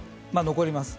残ります。